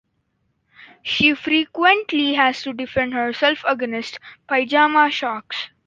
She frequently has to defend herself against pyjama sharks.